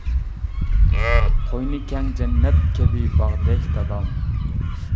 قوينى كەڭ جەننەت كەبى باغدەك دادام.